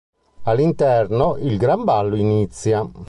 All'interno, il gran ballo inizia.